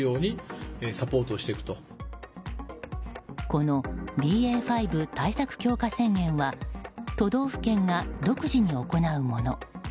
このＢＡ．５対策強化宣言は都道府県が独自に行うもの。